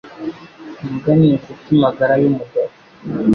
Imbwa ni inshuti magara yumugabo